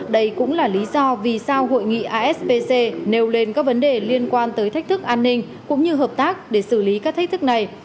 đây cũng là lý do vì sao hội nghị aspc nêu lên các vấn đề liên quan tới thách thức an ninh cũng như hợp tác để xử lý các thách thức này